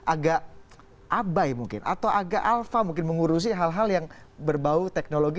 agak abai mungkin atau agak alfa mungkin mengurusi hal hal yang berbau teknologi